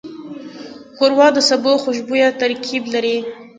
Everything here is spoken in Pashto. ښوروا د سبو خوشبویه ترکیب لري.